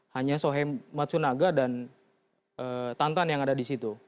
hanya sohe matsunaga dan tantan yang ada di situ